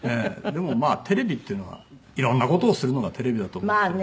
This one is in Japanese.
でもまあテレビっていうのはいろんな事をするのがテレビだと思ってるので。